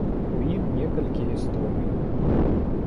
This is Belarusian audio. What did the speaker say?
У ім некалькі гісторый.